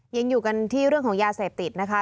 ยังอยู่กันที่เรื่องของยาเสพติดนะคะ